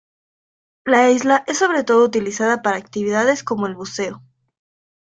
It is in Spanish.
La isla es sobre todo utilizada para actividades como el buceo.